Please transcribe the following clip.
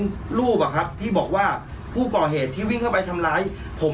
สนุนโดยสายการบินไทยนครปวดท้องเสียขับลมแน่นท้อง